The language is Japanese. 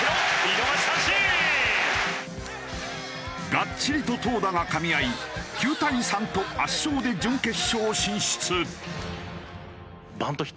がっちりと投打がかみ合い９対３と圧勝で準決勝進出。